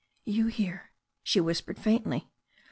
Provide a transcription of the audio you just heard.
"You here," she whispered faintly.